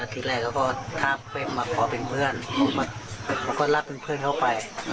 ทีแรกเขาก็ทักไปมาขอเป็นเพื่อนเขาก็รับเป็นเพื่อนเขาไป